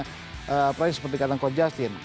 seperti yang katakan coach justin